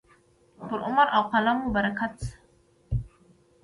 پر عمر او قلم مو برکت شه.